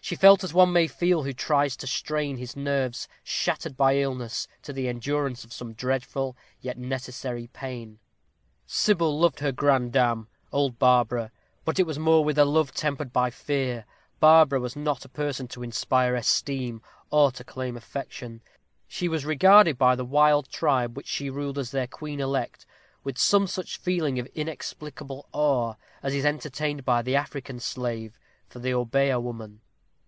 She felt as one may feel who tries to strain his nerves, shattered by illness, to the endurance of some dreadful, yet necessary pain. Sybil loved her granddame, old Barbara; but it was with a love tempered by fear. Barbara was not a person to inspire esteem or to claim affection. She was regarded by the wild tribe which she ruled as their queen elect, with some such feeling of inexplicable awe as is entertained by the African slave for the Obeah woman.